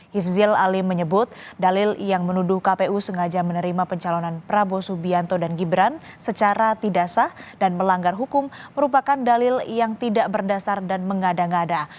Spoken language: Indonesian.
hifzil alim menyebut dalil yang menuduh kpu sengaja menerima pencalonan prabowo subianto dan gibran secara tidak sah dan melanggar hukum merupakan dalil yang tidak berdasar dan mengada ngada